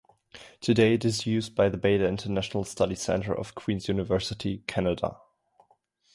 Today it is used by the Bader International Study Centre of Queen's University, Canada.